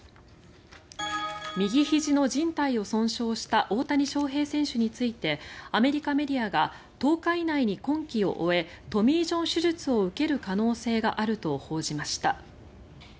右ひじのじん帯を損傷した大谷翔平選手についてアメリカメディアが１０日以内に今季を終えトミー・ジョン手術を受ける可能性があると報じました。